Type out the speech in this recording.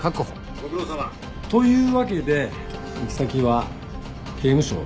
ご苦労さま。というわけで行き先は刑務所。